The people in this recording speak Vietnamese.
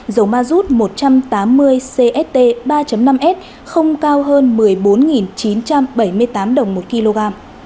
dầu mazut một trăm tám mươi cst ba năm s không cao hơn một mươi bốn chín trăm bảy mươi tám đồng một kg